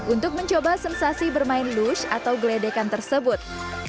untuk mencoba sensasi bermain lush atau geledekan tersebut